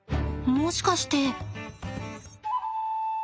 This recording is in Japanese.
もしかして？